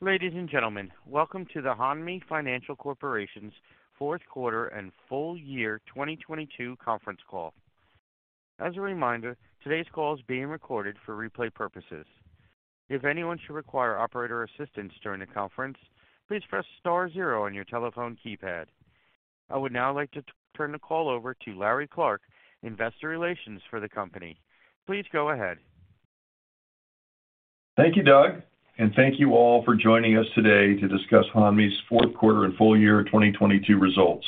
Ladies and gentlemen, welcome to the Hanmi Financial Corporation's Fourth Quarter and Full Year 2022 Conference Call. As a reminder, today's call is being recorded for replay purposes. If anyone should require operator assistance during the conference, please press star zero on your telephone keypad. I would now like to turn the call over to Larry Clark, investor relations for the company. Please go ahead. Thank you, Doug, and thank you all for joining us today to discuss Hanmi's fourth quarter and full year 2022 results.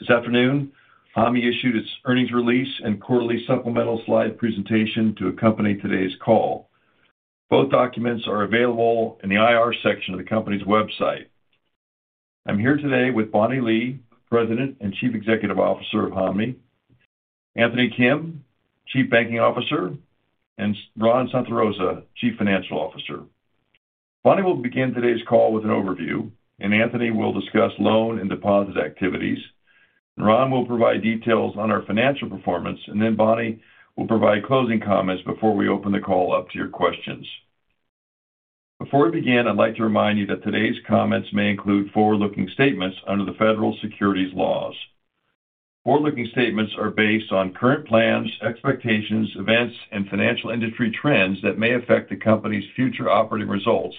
This afternoon, Hanmi issued its earnings release and quarterly supplemental slide presentation to accompany today's call. Both documents are available in the IR section of the company's website. I'm here today with Bonnie Lee, President and Chief Executive Officer of Hanmi, Anthony Kim, Chief Banking Officer, and Ron Santarosa, Chief Financial Officer. Bonnie will begin today's call with an overview, and Anthony will discuss loan and deposit activities. Ron will provide details on our financial performance, and then Bonnie will provide closing comments before we open the call up to your questions. Before we begin, I'd like to remind you that today's comments may include forward-looking statements under the Federal Securities laws. Forward-looking statements are based on current plans, expectations, events, and financial industry trends that may affect the company's future operating results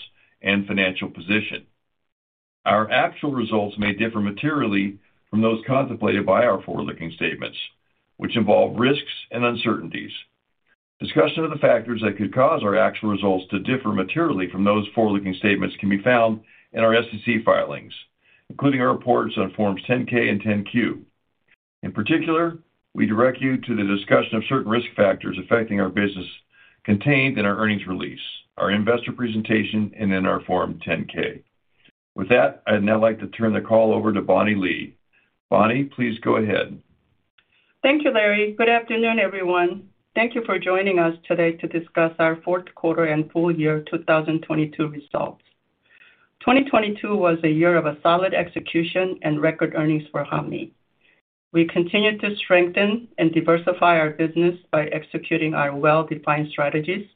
and financial position. Our actual results may differ materially from those contemplated by our forward-looking statements, which involve risks and uncertainties. Discussion of the factors that could cause our actual results to differ materially from those forward-looking statements can be found in our SEC filings, including our reports on Forms 10-K and 10-Q. In particular, we direct you to the discussion of certain risk factors affecting our business contained in our earnings release, our investor presentation, and in our Form 10-K. With that, I'd now like to turn the call over to Bonnie Lee. Bonnie, please go ahead. Thank you, Larry. Good afternoon, everyone. Thank you for joining us today to discuss our fourth quarter and full year 2022 results. 2022 was a year of solid execution and record earnings for Hanmi. We continued to strengthen and diversify our business by executing our well-defined strategies,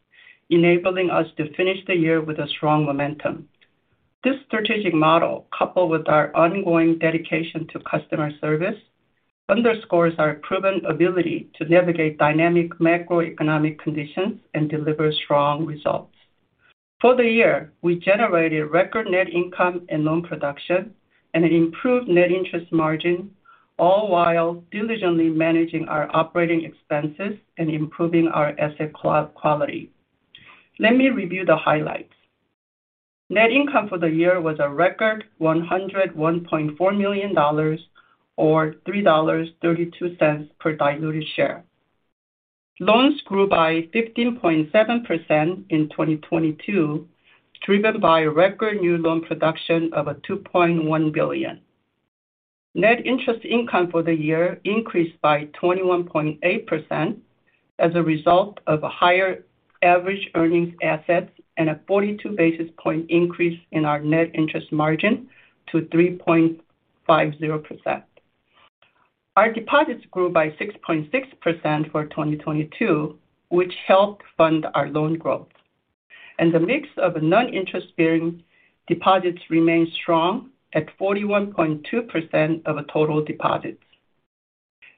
enabling us to finish the year with strong momentum. This strategic model, coupled with our ongoing dedication to customer service, underscores our proven ability to navigate dynamic macroeconomic conditions and deliver strong results. For the year, we generated record net income and loan production and an improved net interest margin, all while diligently managing our operating expenses and improving our asset quality. Let me review the highlights. Net income for the year was a record $101.4 million or $3.32 per diluted share. Loans grew by 15.7% in 2022, driven by record new loan production of a $2.1 billion. Net Interest Income for the year increased by 21.8% as a result of higher average earnings assets and a 42 basis point increase in our net interest margin to 3.50%. Our deposits grew by 6.6% for 2022, which helped fund our loan growth. The mix of non-interest-bearing deposits remains strong at 41.2% of total deposits.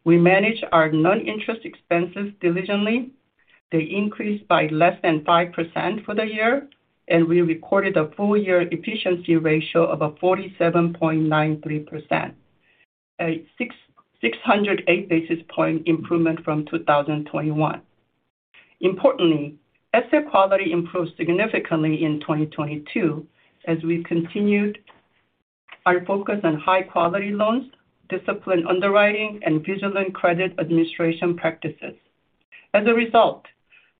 We manage our non-interest expenses diligently. They increased by less than 5% for the year, and we recorded a full-year efficiency ratio of 47.93%, a 608 basis point improvement from 2021. Importantly, asset quality improved significantly in 2022 as we continued our focus on high-quality loans, disciplined underwriting, and vigilant credit administration practices.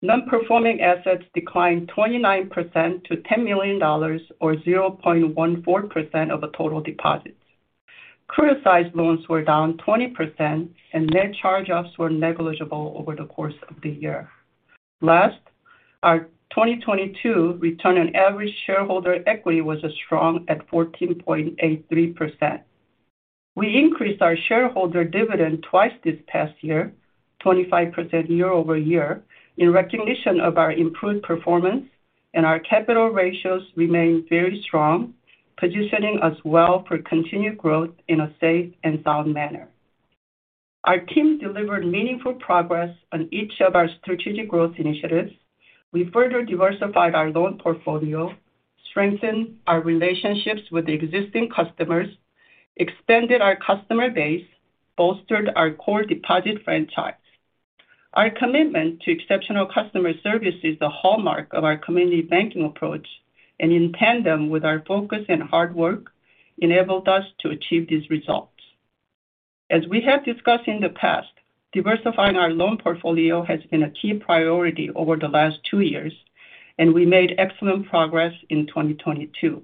As a result, non-performing assets declined 29% to $10 million or 0.14% of the total deposits. Criticized loans were down 20%, and net charge-offs were negligible over the course of the year. Last, our 2022 return on average shareholders' equity was strong at 14.83%. We increased our shareholder dividend twice this past year, 25% year-over-year in recognition of our improved performance and our capital ratios remain very strong, positioning us well for continued growth in a safe and sound manner. Our team delivered meaningful progress on each of our strategic growth initiatives. We further diversified our loan portfolio, strengthened our relationships with existing customers, extended our customer base, bolstered our core deposit franchise. Our commitment to exceptional customer service is the hallmark of our community banking approach and in tandem with our focus and hard work enabled us to achieve these results. As we have discussed in the past, diversifying our loan portfolio has been a key priority over the last two years, and we made excellent progress in 2022.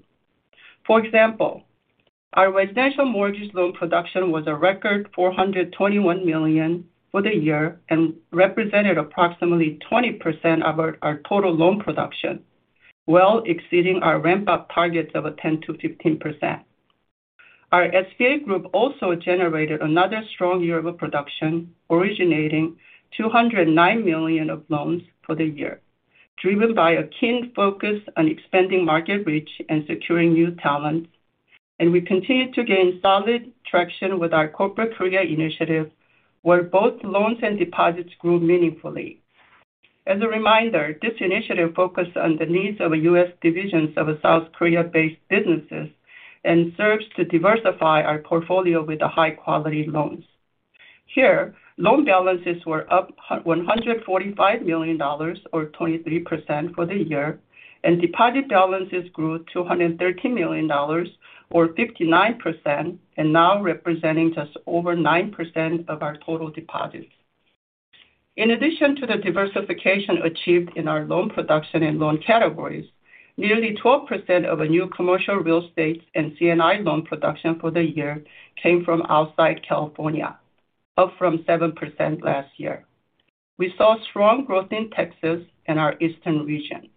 For example, our residential mortgage loan production was a record $421 million for the year and represented approximately 20% of our total loan production, well exceeding our ramp-up targets of 10%-15%. Our SBA group also generated another strong year of production, originating $209 million of loans for the year, driven by a keen focus on expanding market reach and securing new talent. We continue to gain solid traction with our Corporate Korea initiative, where both loans and deposits grew meaningfully. As a reminder, this initiative focused on the needs of U.S. divisions of South Korea-based businesses and serves to diversify our portfolio with high-quality loans. Here, loan balances were up $145 million or 23% for the year, and deposit balances grew $213 million or 59% and now representing just over 9% of our total deposits. In addition to the diversification achieved in our loan production and loan categories, nearly 12% of new commercial real estate and C&I loan production for the year came from outside California, up from 7% last year. We saw strong growth in Texas and our Eastern region,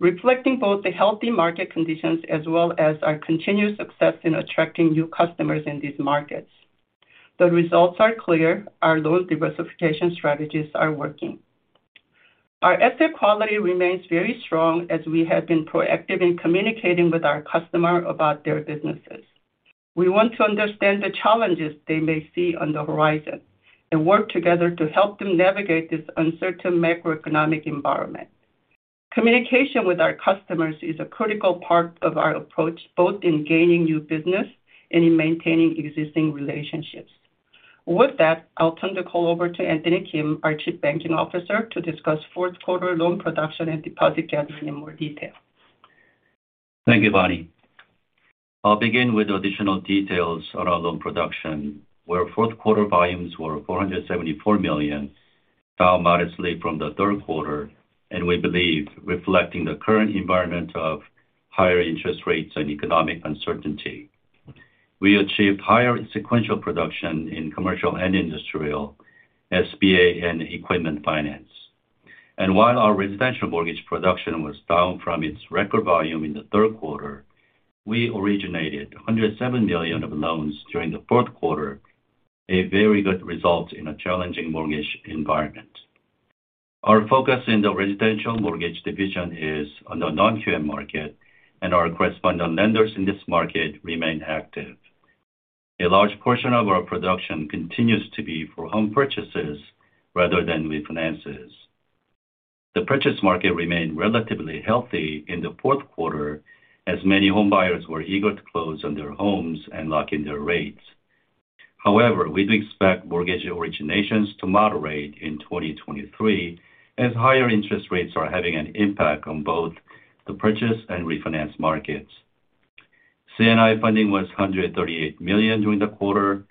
reflecting both the healthy market conditions as well as our continued success in attracting new customers in these markets. The results are clear. Our loan diversification strategies are working. Our asset quality remains very strong as we have been proactive in communicating with our customer about their businesses. We want to understand the challenges they may see on the horizon and work together to help them navigate this uncertain macroeconomic environment. Communication with our customers is a critical part of our approach, both in gaining new business and in maintaining existing relationships. With that, I'll turn the call over to Anthony Kim, our Chief Banking Officer, to discuss fourth quarter loan production and deposit gathering in more detail. Thank you, Bonnie. I'll begin with additional details on our loan production, where fourth quarter volumes were $474 million, down modestly from the third quarter, and we believe reflecting the current environment of higher interest rates and economic uncertainty. We achieved higher sequential production in commercial and industrial SBA and equipment finance. While our residential mortgage production was down from its record volume in the third quarter, we originated $107 million of loans during the fourth quarter, a very good result in a challenging mortgage environment. Our focus in the residential mortgage division is on the non-QM market, and our correspondent lenders in this market remain active. A large portion of our production continues to be for home purchases rather than refinances. The purchase market remained relatively healthy in the fourth quarter as many home buyers were eager to close on their homes and lock in their rates. However, we do expect mortgage originations to moderate in 2023 as higher interest rates are having an impact on both the purchase and refinance markets. C&I funding was $138 million during the quarter.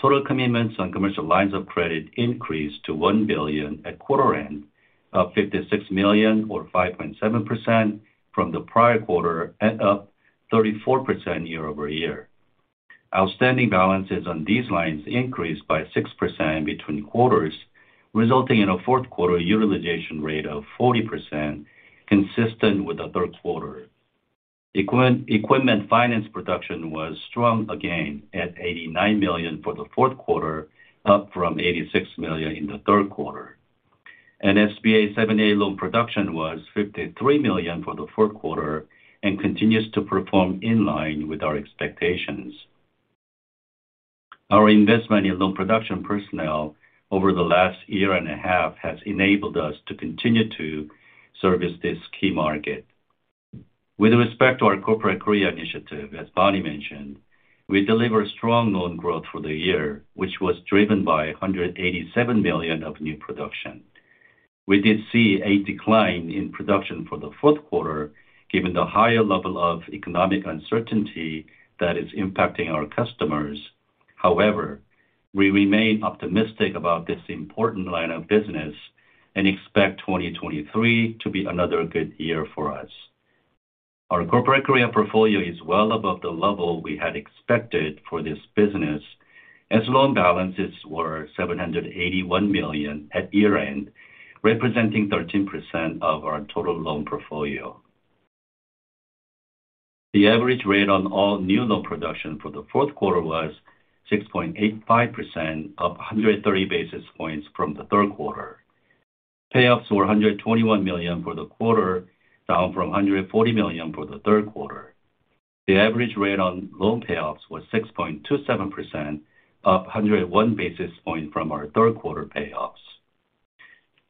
Total commitments on commercial lines of credit increased to $1 billion at quarter end, up $56 million or 5.7% from the prior quarter, and up 34% year-over-year. Outstanding balances on these lines increased by 6% between quarters, resulting in a fourth quarter utilization rate of 40%, consistent with the third quarter. Equipment finance production was strong again at $89 million for the fourth quarter, up from $86 million in the third quarter. SBA 7(a) loan production was $53 million for the fourth quarter and continues to perform in line with our expectations. Our investment in loan production personnel over the last year and a half has enabled us to continue to service this key market. With respect to our Corporate Korea initiative, as Bonnie mentioned, we delivered strong loan growth for the year, which was driven by $187 million of new production. We did see a decline in production for the fourth quarter, given the higher level of economic uncertainty that is impacting our customers. However, we remain optimistic about this important line of business and expect 2023 to be another good year for us. Our Corporate Korea portfolio is well above the level we had expected for this business, as loan balances were $781 million at year-end, representing 13% of our total loan portfolio. The average rate on all new loan production for the fourth quarter was 6.85%, up 130 basis points from the third quarter. Payoffs were $121 million for the quarter, down from $140 million for the third quarter. The average rate on loan payoffs was 6.27%, up 101 basis points from our third quarter payoffs.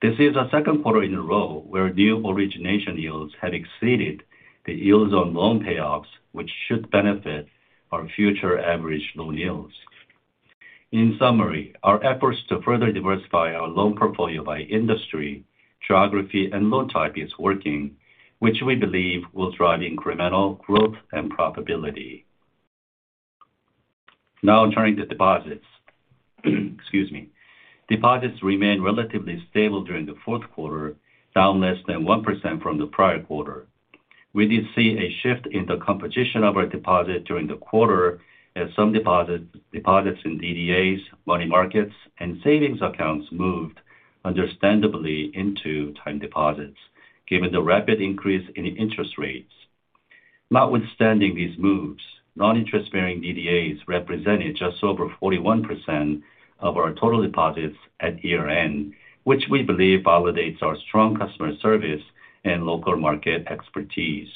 This is the second quarter in a row where new origination yields have exceeded the yields on loan payoffs, which should benefit our future average loan yields. In summary, our efforts to further diversify our loan portfolio by industry, geography, and loan type is working, which we believe will drive incremental growth and profitability. Turning to deposits. Excuse me. Deposits remained relatively stable during the fourth quarter, down less than 1% from the prior quarter. We did see a shift in the composition of our deposits during the quarter as some deposits in DDAs, money markets, and savings accounts moved understandably into time deposits, given the rapid increase in interest rates. Notwithstanding these moves, non-interest-bearing DDAs represented just over 41% of our total deposits at year-end, which we believe validates our strong customer service and local market expertise.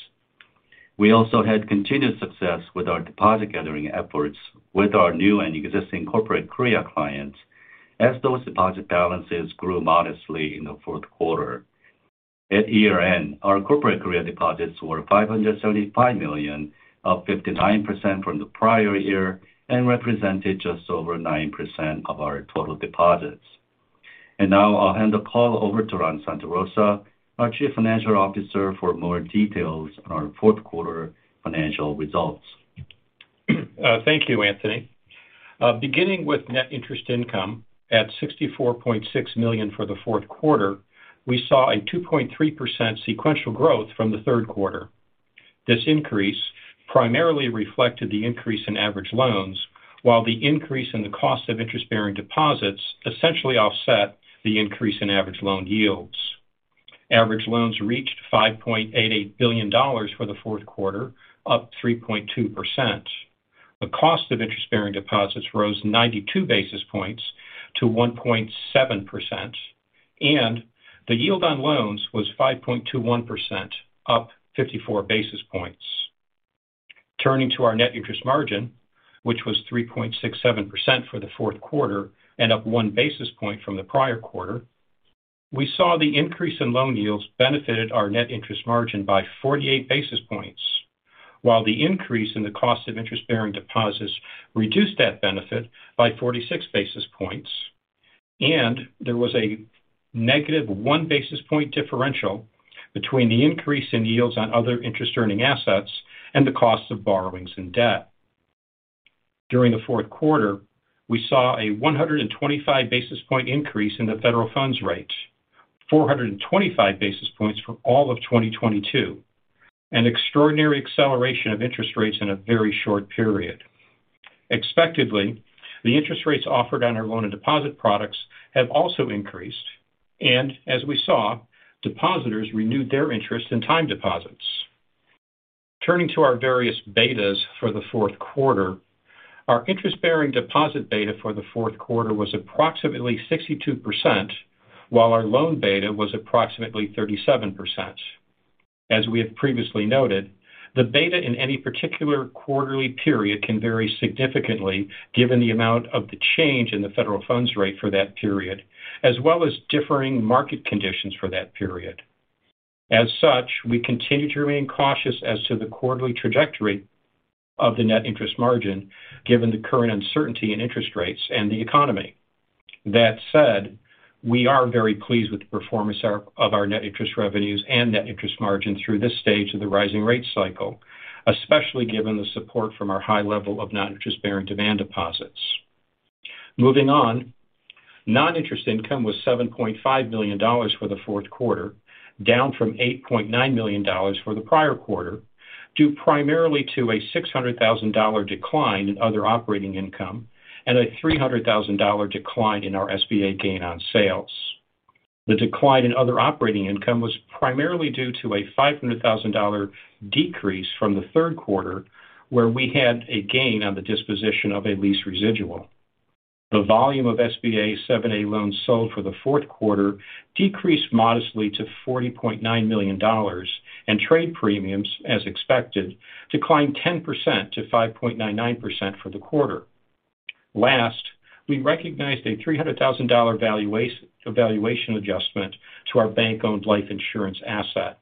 We also had continued success with our deposit gathering efforts with our new and existing Corporate Korea clients as those deposit balances grew modestly in the fourth quarter. At year-end, our Corporate Korea deposits were $575 million, up 59% from the prior year and represented just over 9% of our total deposits. Now I'll hand the call over to Ron Santarosa, our Chief Financial Officer, for more details on our fourth quarter financial results. Thank you, Anthony. Beginning with net interest income at $64.6 million for the fourth quarter, we saw a 2.3% sequential growth from the third quarter. This increase primarily reflected the increase in average loans, while the increase in the cost of interest-bearing deposits essentially offset the increase in average loan yields. Average loans reached $5.88 billion for the fourth quarter, up 3.2%. The cost of interest-bearing deposits rose 92 basis points to 1.7%, and the yield on loans was 5.21%, up 54 basis points. Turning to our net interest margin, which was 3.67% for the fourth quarter and up 1 basis point from the prior quarter, we saw the increase in loan yields benefited our net interest margin by 48 basis points, while the increase in the cost of interest-bearing deposits reduced that benefit by 46 basis points. There was a -1 basis point differential between the increase in yields on other interest earning assets and the cost of borrowings and debt. During the fourth quarter, we saw a 125 basis point increase in the Federal Funds Rate, 425 basis points for all of 2022, an extraordinary acceleration of interest rates in a very short period. Expectedly, the interest rates offered on our loan and deposit products have also increased. As we saw, depositors renewed their interest in time deposits. Turning to our various betas for the fourth quarter, our Interest-Bearing Deposit Beta for the fourth quarter was approximately 62%, while our Loan Beta was approximately 37%. As we have previously noted, the beta in any particular quarterly period can vary significantly given the amount of the change in the Federal Funds Rate for that period, as well as differing market conditions for that period. We continue to remain cautious as to the quarterly trajectory of the net interest margin given the current uncertainty in interest rates and the economy. We are very pleased with the performance of our net interest revenues and net interest margin through this stage of the rising rate cycle, especially given the support from our high level of non-interest-bearing demand deposits. Moving on. Non-interest income was $7.5 million for the fourth quarter, down from $8.9 million for the prior quarter, due primarily to a $600,000 decline in other operating income and a $300,000 decline in our SBA gain on sales. The decline in other operating income was primarily due to a $500,000 decrease from the third quarter, where we had a gain on the disposition of a lease residual. The volume of SBA 7(a) loans sold for the fourth quarter decreased modestly to $40.9 million, and trade premiums, as expected, declined 10% to 5.99% for the quarter. Last, we recognized a $300,000 valuation adjustment to our bank-owned life insurance asset.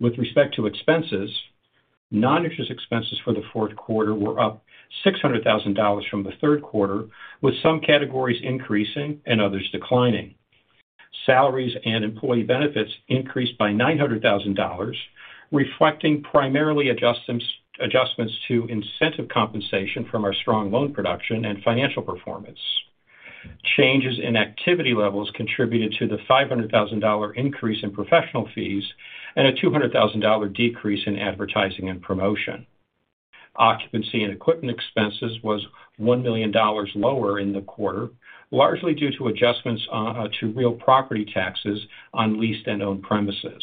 With respect to expenses, non-interest expenses for the fourth quarter were up $600,000 from the third quarter, with some categories increasing and others declining. Salaries and employee benefits increased by $900,000, reflecting primarily adjustments to incentive compensation from our strong loan production and financial performance. Changes in activity levels contributed to the $500,000 increase in professional fees and a $200,000 decrease in advertising and promotion. Occupancy and equipment expenses was $1 million lower in the quarter, largely due to adjustments to real property taxes on leased and owned premises.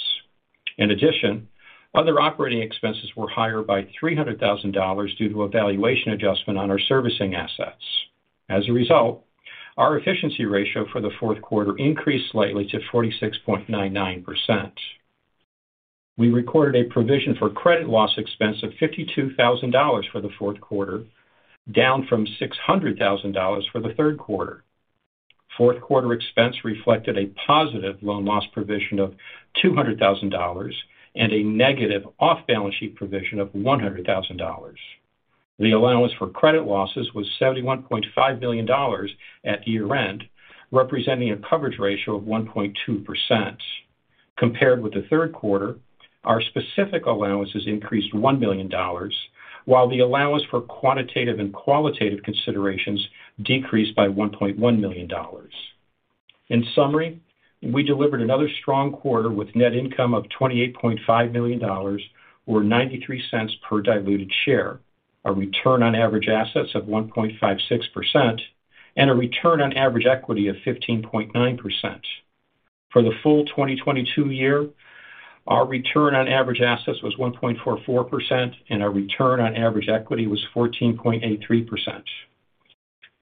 Other operating expenses were higher by $300,000 due to a valuation adjustment on our servicing assets. Our efficiency ratio for the fourth quarter increased slightly to 46.99%. We recorded a provision for credit losses expense of $52,000 for the fourth quarter, down from $600,000 for the third quarter. Fourth quarter expense reflected a positive loan loss provision of $200,000 and a negative off-balance sheet financing of $100,000. The Allowance for Credit Losses was $71.5 million at year-end, representing a coverage ratio of 1.2%. Compared with the third quarter, our specific allowances increased $1 million, while the allowance for quantitative and qualitative considerations decreased by $1.1 million. In summary, we delivered another strong quarter with net income of $28.5 million or $0.93 per diluted share. A return on average assets of 1.56% and a return on average equity of 15.9%. For the full 2022 year, our return on average assets was 1.44% and our return on average equity was 14.83%.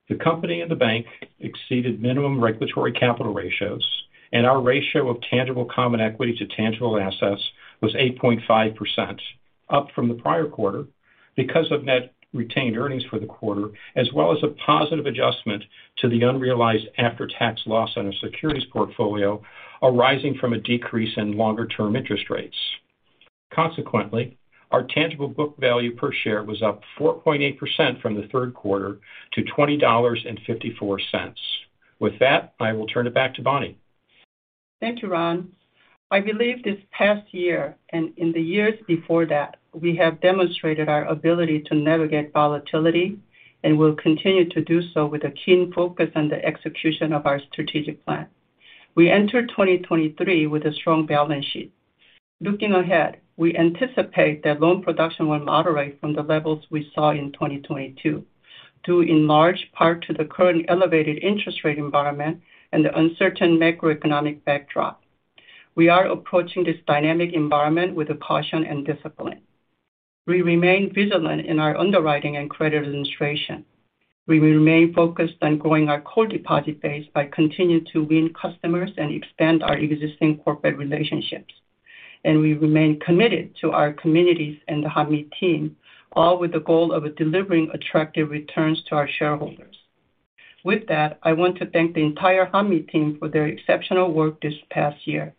The company and the bank exceeded minimum regulatory capital ratios. Our ratio of tangible common equity to tangible assets was 8.5%, up from the prior quarter because of net retained earnings for the quarter, as well as a positive adjustment to the unrealized after-tax loss on our securities portfolio arising from a decrease in longer-term interest rates. Consequently, our tangible book value per share was up 4.8% from the third quarter to $20.54. With that, I will turn it back to Bonnie. Thank you, Ron. I believe this past year and in the years before that, we have demonstrated our ability to navigate volatility and will continue to do so with a keen focus on the execution of our strategic plan. We enter 2023 with a strong balance sheet. Looking ahead, we anticipate that loan production will moderate from the levels we saw in 2022 due in large part to the current elevated interest rate environment and the uncertain macroeconomic backdrop. We are approaching this dynamic environment with caution and discipline. We remain vigilant in our underwriting and credit administration. We remain focused on growing our core deposit base by continuing to win customers and expand our existing corporate relationships. We remain committed to our communities and the Hanmi team, all with the goal of delivering attractive returns to our shareholders. With that, I want to thank the entire Hanmi team for their exceptional work this past year.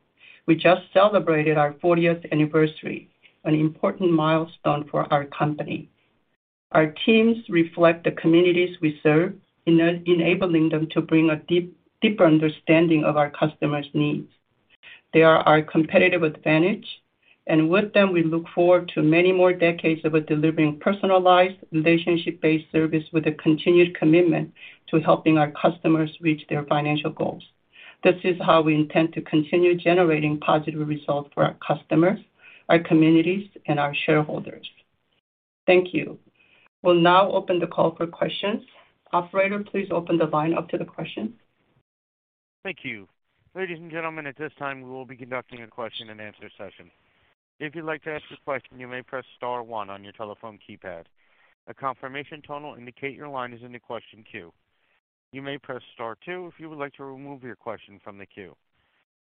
We just celebrated our fortieth anniversary, an important milestone for our company. Our teams reflect the communities we serve, enabling them to bring a deeper understanding of our customers' needs. They are our competitive advantage, and with them, we look forward to many more decades of delivering personalized, relationship-based service with a continued commitment to helping our customers reach their financial goals. This is how we intend to continue generating positive results for our customers, our communities, and our shareholders. Thank you. We'll now open the call for questions. Operator, please open the line up to the questions. Thank you. Ladies and gentlemen, at this time, we will be conducting a question and answer session. If you'd like to ask a question, you may press star one on your telephone keypad. A confirmation tone will indicate your line is in the question queue. You may press star two if you would like to remove your question from the queue.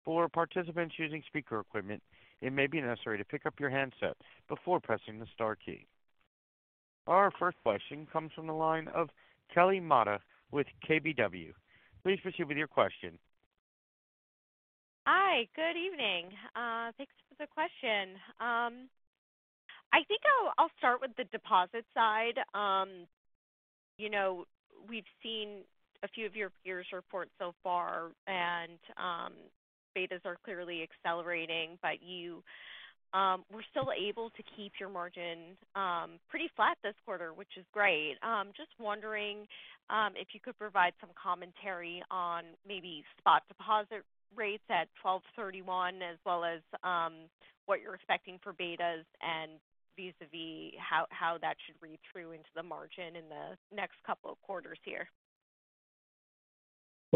For participants using speaker equipment, it may be necessary to pick up your handset before pressing the star key. Our first question comes from the line of Kelly Motta with KBW. Please proceed with your question. Hi, good evening. Thanks for the question. I think I'll start with the deposit side. You know, we've seen a few of your peers report so far and betas are clearly accelerating. You were still able to keep your margins pretty flat this quarter, which is great. Just wondering if you could provide some commentary on maybe spot deposit rates at 12/31, as well as what you're expecting for betas and vis-a-vis how that should read through into the margin in the next couple of quarters here?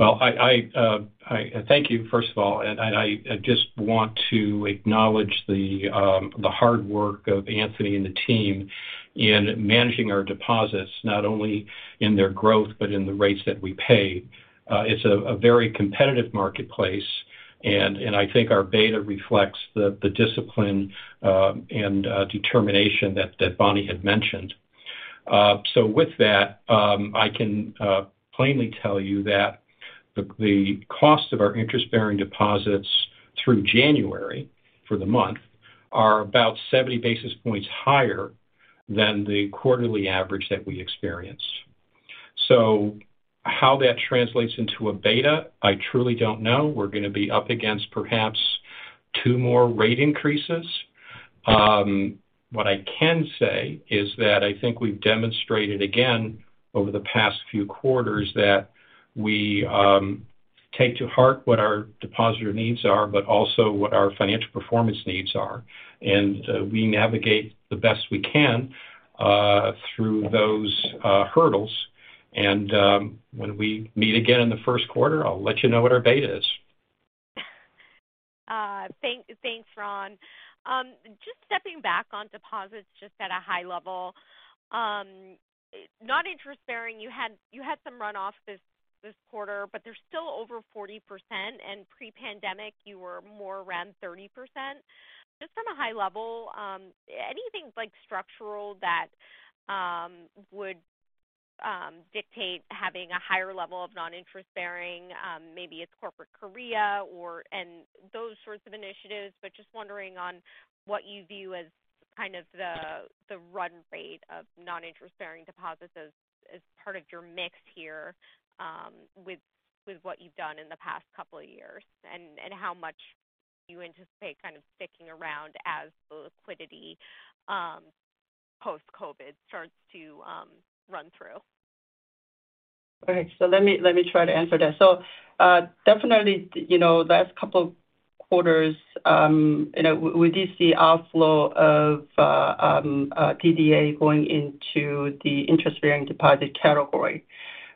I thank you, first of all, and I just want to acknowledge the hard work of Anthony and the team in managing our deposits, not only in their growth, but in the rates that we pay. It's a very competitive marketplace and I think our beta reflects the discipline and determination that Bonnie had mentioned. With that, I can plainly tell you that the cost of our interest-bearing deposits through January for the month are about 70 basis points higher than the quarterly average that we experienced. How that translates into a beta, I truly don't know. We're gonna be up against perhaps two more rate increases. What I can say is that I think we've demonstrated again over the past few quarters that we take to heart what our depositor needs are, but also what our financial performance needs are. We navigate the best we can through those hurdles. When we meet again in the first quarter, I'll let you know what our beta is. Thanks, Ron. Just stepping back on deposits just at a high level. Not interest-bearing. You had some runoff this quarter, but they're still over 40%. Pre-pandemic, you were more around 30%. Just from a high level, anything like structural that would dictate having a higher level of non-interest-bearing, maybe it's Corporate Korea or, and those sorts of initiatives, but just wondering on what you view as kind of the run rate of non-interest-bearing deposits as part of your mix here, with what you've done in the past couple of years, and how much you anticipate kind of sticking around as the liquidity, post-COVID starts to run through. Okay. Let me try to answer that. Definitely, you know, last couple quarters, you know, we did see outflow of DDA going into the interest-bearing deposit category.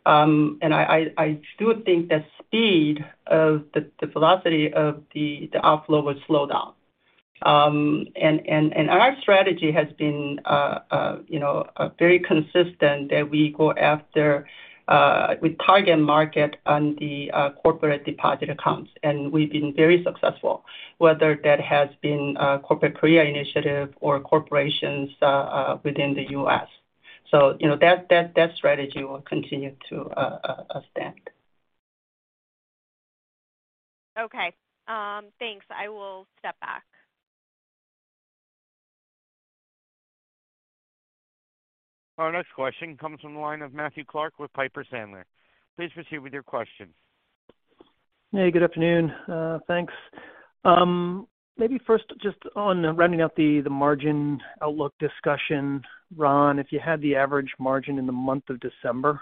I do think the speed of the velocity of the outflow will slow down. Our strategy has been, you know, very consistent that we go after, we target market on the corporate deposit accounts, and we've been very successful, whether that has been Corporate Korea initiative or corporations within the U.S. You know, that strategy will continue to stand. Okay. Thanks. I will step back. Our next question comes from the line of Matthew Clark with Piper Sandler. Please proceed with your question. Hey, good afternoon. Thanks. Maybe first just on rounding out the margin outlook discussion, Ron, if you had the average margin in the month of December?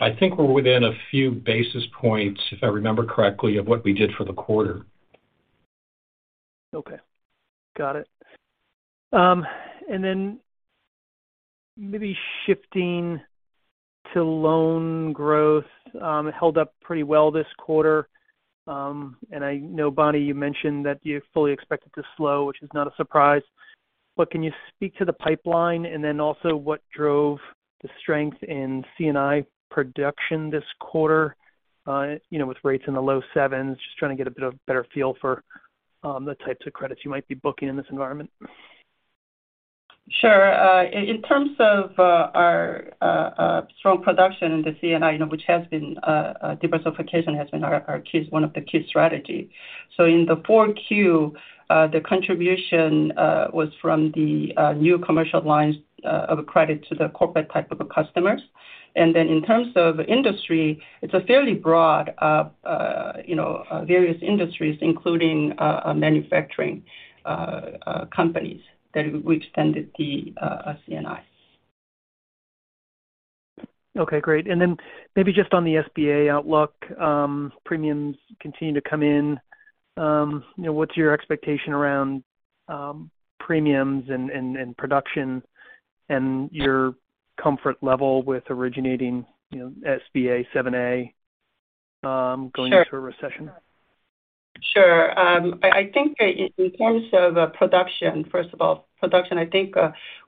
I think we're within a few basis points, if I remember correctly, of what we did for the quarter. Okay. Got it. Then maybe shifting to loan growth, it held up pretty well this quarter. I know, Bonnie, you mentioned that you fully expect it to slow, which is not a surprise. Can you speak to the pipeline and then also what drove the strength in C&I production this quarter, you know, with rates in the low 7s? Just trying to get a bit of better feel for the types of credits you might be booking in this environment. Sure. In terms of our strong production in the C&I, you know, which has been a diversification, has been our key one of the key strategy. In the 4Q, the contribution was from the new commercial lines of credit to the corporate type of customers. In terms of industry, it's a fairly broad, you know, various industries, including manufacturing companies that we've extended the C&I. Okay, great. Then maybe just on the SBA outlook, premiums continue to come in. you know, what's your expectation around, premiums and production and your comfort level with originating, you know, SBA 7(a). Sure going into a recession? Sure. I think in terms of production, first of all, production, I think,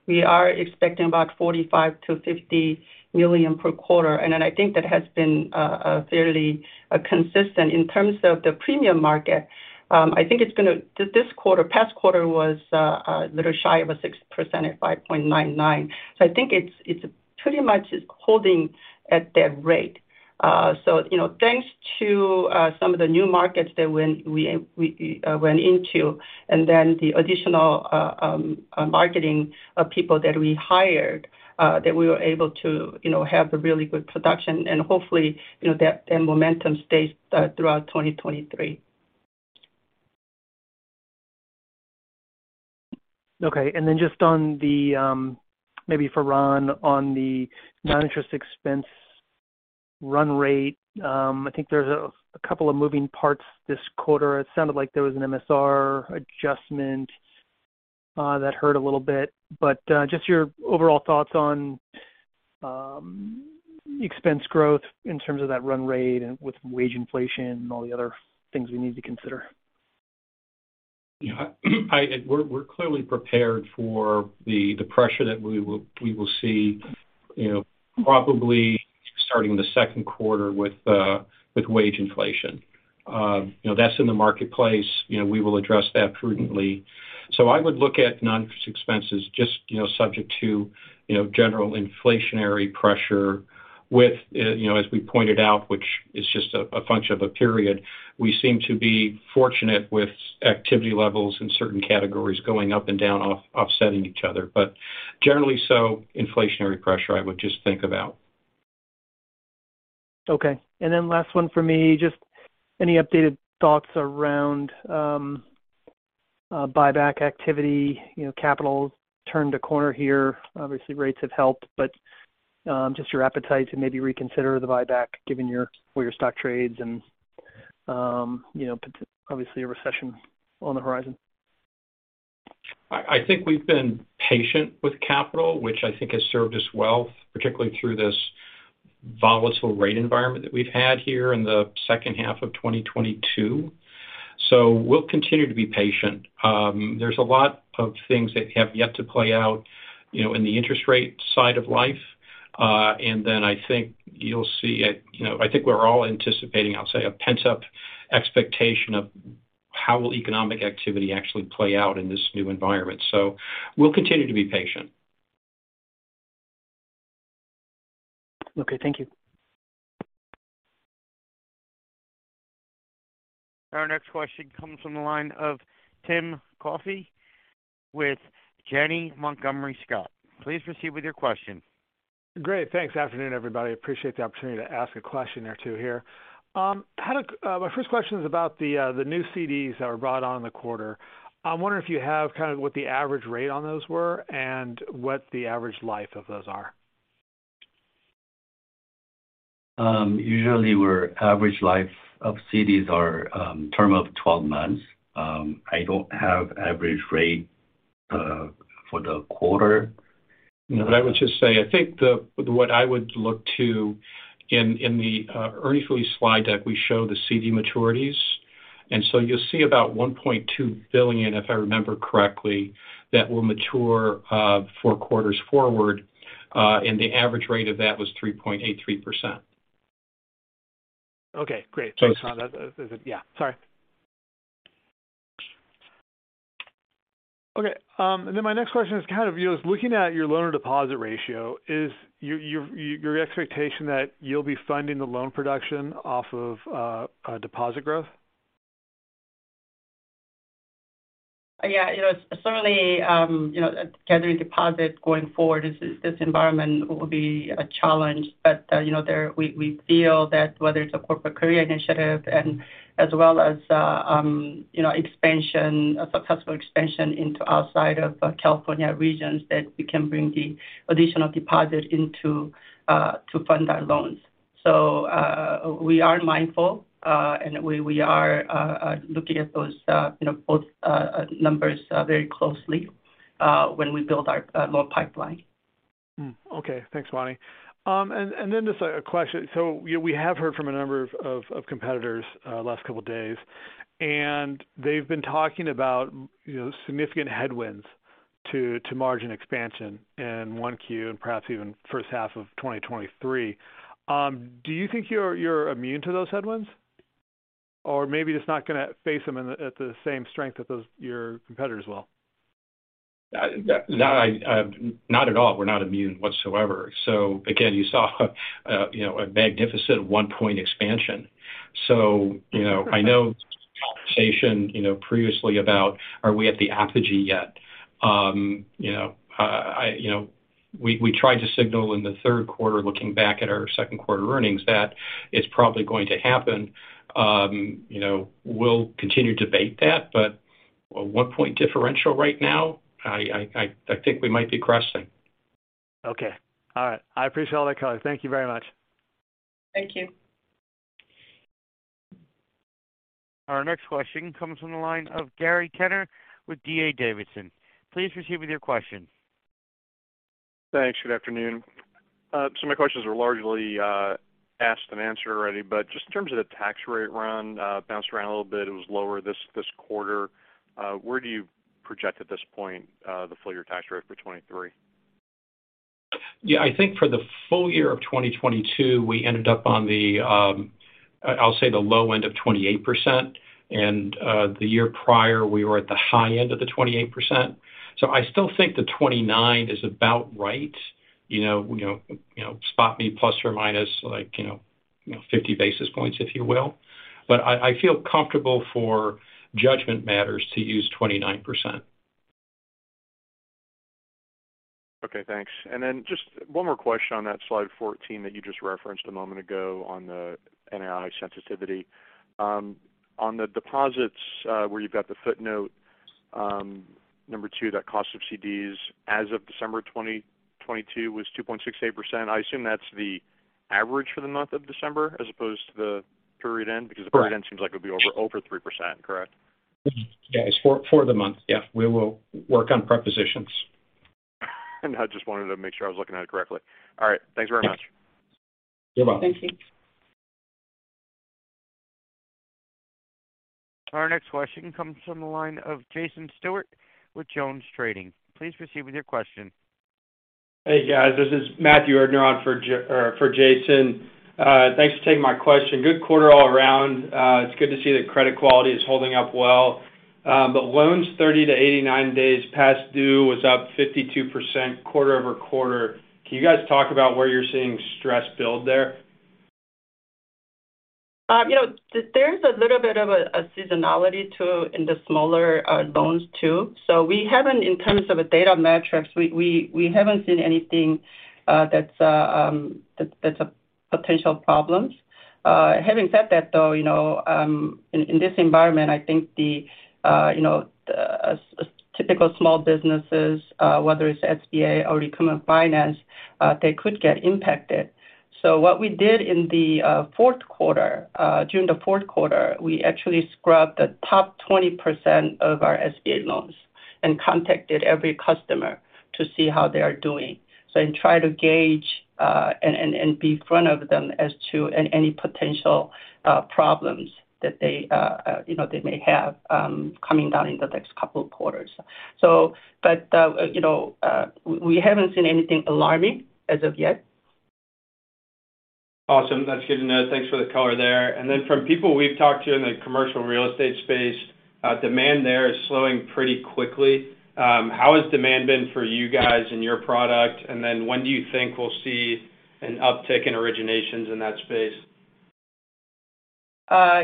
we are expecting about $45 million-$50 million per quarter. I think that has been fairly consistent. In terms of the premium market, I think it's this quarter, past quarter was a little shy of a 6% at 5.99%. I think it's pretty much is holding at that rate. You know, thanks to some of the new markets that we went into and then the additional marketing people that we hired, that we were able to, you know, have a really good production. Hopefully, you know, that momentum stays throughout 2023. Okay. Just on the, maybe for Ron, on the non-interest expense run rate. I think there's a couple of moving parts this quarter. It sounded like there was an MSR adjustment that hurt a little bit. Just your overall thoughts on expense growth in terms of that run rate and with wage inflation and all the other things we need to consider. Yeah. We're clearly prepared for the pressure that we will see, you know, probably starting the 2nd quarter with wage inflation. You know, that's in the marketplace. You know, we will address that prudently. I would look at non-interest expenses just, you know, subject to, you know, general inflationary pressure with, you know, as we pointed out, which is just a function of a period. We seem to be fortunate with activity levels in certain categories going up and down offsetting each other. Generally so, inflationary pressure, I would just think about. Okay. Last one for me, just any updated thoughts around buyback activity? You know, capital turned a corner here. Obviously, rates have helped, but just your appetite to maybe reconsider the buyback given where your stock trades and, you know, obviously a recession on the horizon. I think we've been patient with capital, which I think has served us well, particularly through this volatile rate environment that we've had here in the second half of 2022. We'll continue to be patient. There's a lot of things that have yet to play out, you know, in the interest rate side of life. Then I think you'll see. You know, I think we're all anticipating, I'll say, a pent-up expectation of how will economic activity actually play out in this new environment. We'll continue to be patient. Okay. Thank you. Our next question comes from the line of Timothy Coffey with Janney Montgomery Scott. Please proceed with your question. Great. Thanks. Afternoon, everybody. Appreciate the opportunity to ask a question or two here. My first question is about the new CDs that were brought on in the quarter. I'm wondering if you have kind of what the average rate on those were and what the average life of those are. usually where average life of CDs are, term of 12 months. I don't have average rate for the quarter. No, I would just say, I think what I would look to in the earnings release slide deck, we show the CD maturities. You'll see about $1.2 billion, if I remember correctly, that will mature, four quarters forward. The average rate of that was 3.83%. Okay, great. Thanks. That is it. Yeah, sorry. Okay, my next question is kind of, you know, is looking at your loan or deposit ratio, is your expectation that you'll be funding the loan production off of deposit growth? You know, certainly, you know, gathering deposits going forward is this environment will be a challenge. You know, we feel that whether it's a Corporate Korea initiative and as well as, you know, expansion, a successful expansion into outside of California regions, that we can bring the additional deposit into to fund our loans. We are mindful, and we are looking at those, you know, both numbers very closely when we build our loan pipeline. Okay. Thanks, Bonnie. Then just a question. We have heard from a number of competitors, last couple days, and they've been talking about, you know, significant headwinds to margin expansion in 1Q and perhaps even first half of 2023. Do you think you're immune to those headwinds? Or maybe just not gonna face them at the same strength that your competitors will? No, I, not at all. We're not immune whatsoever. Again, you saw, you know, a magnificent 1-point expansion. You know, I know the conversation, you know, previously about are we at the apogee yet? You know, I, you know, we tried to signal in the third quarter looking back at our second quarter earnings that it's probably going to happen. You know, we'll continue to bait that. A 1-point differential right now, I think we might be cresting. Okay. All right. I appreciate all that color. Thank you very much. Thank you. Our next question comes from the line of Gary Tenner with D.A. Davidson. Please proceed with your question. Thanks. Good afternoon. My questions are largely asked and answered already, but just in terms of the tax rate run bounced around a little bit. It was lower this quarter. Where do you project at this point the full-year tax rate for 2023? Yeah, I think for the full year of 2022, we ended up on the, I'll say the low end of 28%. The year prior we were at the high end of the 28%. I still think the 29% is about right, you know, spot me plus or minus like, you know, 50 basis points, if you will. I feel comfortable for judgment matters to use 29%. Okay, thanks. Just one more question on that slide 14 that you just referenced a moment ago on the NII sensitivity. On the deposits, where you've got the footnote, number two, that cost of CDs as of December 2022 was 2.68%. I assume that's the average for the month of December as opposed to the period end. Correct. the period end seems like it would be over 3%, correct? Yeah, it's for the month. Yeah, we will work on prepositions. I just wanted to make sure I was looking at it correctly. All right. Thanks very much. Yeah. You're welcome. Thank you. Our next question comes from the line of Jason Stewart with JonesTrading. Please proceed with your question. Hey, guys, this is Matthew Erdner on for Jason. Thanks for taking my question. Good quarter all around. It's good to see that credit quality is holding up well. Loans 30 to 89 days past due was up 52% quarter-over-quarter. Can you guys talk about where you're seeing stress build there? you know, there's a little bit of a seasonality to in the smaller loans too. We haven't in terms of a data metrics, we haven't seen anything that's a potential problems. Having said that, though, you know, in this environment, I think the you know, typical small businesses, whether it's SBA or commercial finance, they could get impacted. What we did in the fourth quarter, during the fourth quarter, we actually scrubbed the top 20% of our SBA loans and contacted every customer to see how they are doing. Try to gauge and be front of them as to any potential problems that they, you know, they may have coming down in the next couple of quarters. But, you know, we haven't seen anything alarming as of yet. Awesome. That's good to know. Thanks for the color there. From people we've talked to in the commercial real estate space, demand there is slowing pretty quickly. How has demand been for you guys and your product? When do you think we'll see an uptick in originations in that space?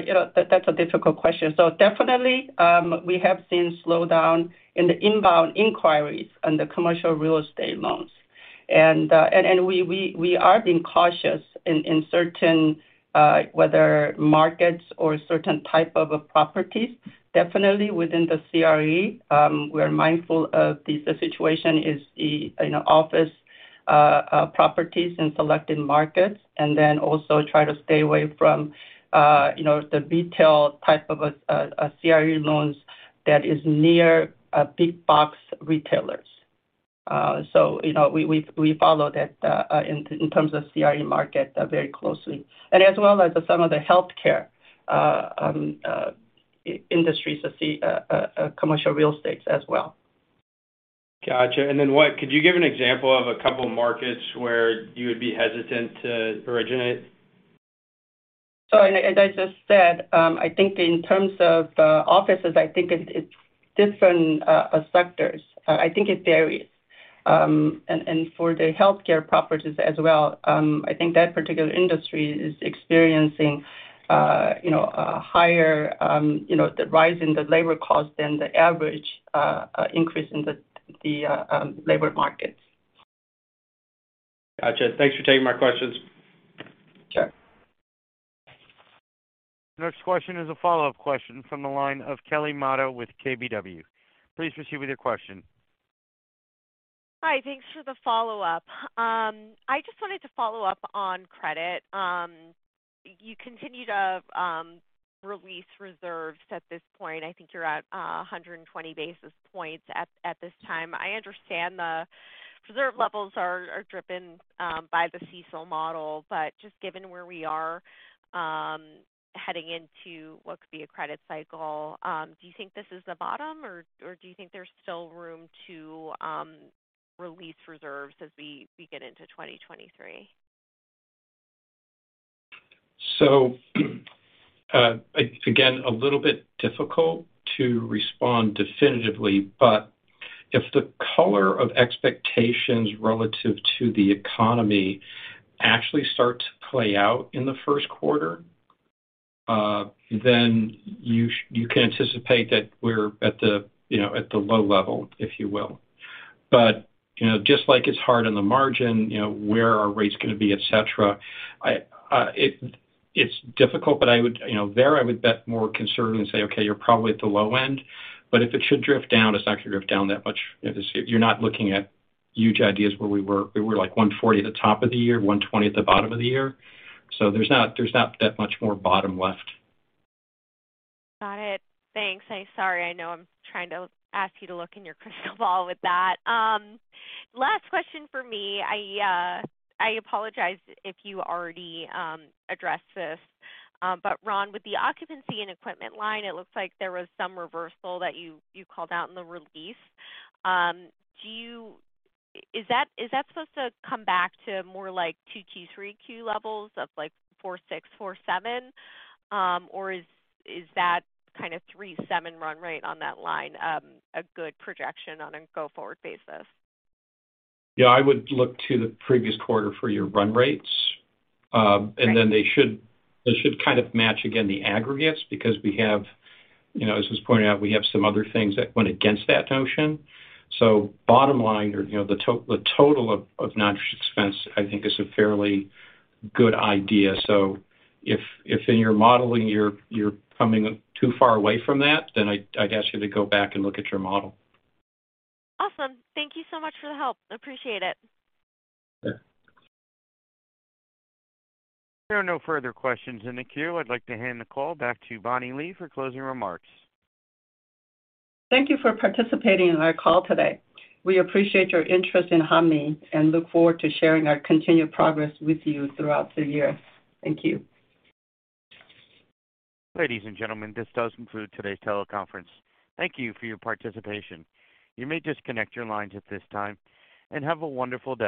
you know, that's a difficult question. Definitely, we have seen slowdown in the inbound inquiries on the commercial real estate loans. We are being cautious in certain whether markets or certain type of properties. Definitely within the CRE, we are mindful of the situation is the, you know, office properties in selected markets and then also try to stay away from, you know, the retail type of CRE loans that is near big box retailers. You know, we follow that in terms of CRE market very closely. As well as some of the healthcare industries to see commercial real estate as well. Gotcha. Could you give an example of a couple markets where you would be hesitant to originate? As I just said, I think in terms of offices, I think it's different sectors. I think it varies. For the healthcare properties as well, I think that particular industry is experiencing, you know, a higher, you know, the rise in the labor costs than the average increase in the labor markets. Gotcha. Thanks for taking my questions. Sure. Next question is a follow-up question from the line of Kelly Motta with KBW. Please proceed with your question. Hi. Thanks for the follow-up. I just wanted to follow up on credit. You continue to release reserves at this point. I think you're at 120 basis points at this time. I understand the reserve levels are driven by the CECL model, but just given where we are, heading into what could be a credit cycle, do you think this is the bottom, or do you think there's still room to release reserves as we get into 2023? Again, a little bit difficult to respond definitively, but if the color of expectations relative to the economy actually start to play out in the first quarter, then you can anticipate that we're at the, you know, at the low level, if you will. You know, just like it's hard on the margin, you know, where are rates gonna be, et cetera, I, it's difficult, but I would... You know, there I would bet more conservative and say, okay, you're probably at the low end. If it should drift down, it's not gonna drift down that much. You know, you're not looking at huge ideas where we were. We were, like, 140 at the top of the year, 120 at the bottom of the year. There's not, there's not that much more bottom left. Got it. Thanks. I'm sorry, I know I'm trying to ask you to look in your crystal ball with that. Last question for me. I apologize if you already addressed this. Ron, with the occupancy and equipment line, it looks like there was some reversal that you called out in the release. Is that supposed to come back to more like 2Q-3Q levels of like $4.6 million, $4.7 million? Is that kind of $3.7 million run rate on that line a good projection on a go-forward basis? Yeah, I would look to the previous quarter for your run rates. They should kind of match again the aggregates because we have, you know, as was pointed out, we have some other things that went against that notion. Bottom line or, you know, the total of non-interest expense, I think is a fairly good idea. If, if in your modeling, you're coming too far away from that, then I'd ask you to go back and look at your model. Awesome. Thank you so much for the help. Appreciate it. Yeah. There are no further questions in the queue. I'd like to hand the call back to Bonnie Lee for closing remarks. Thank you for participating in our call today. We appreciate your interest in Hanmi and look forward to sharing our continued progress with you throughout the year. Thank you. Ladies and gentlemen, this does conclude today's teleconference. Thank you for your participation. You may disconnect your lines at this time, and have a wonderful day.